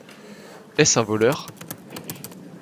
Est-ce un voleur ?